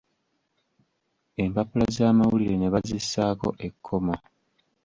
Empapula z'amawulire ne bazissaako ekkomo.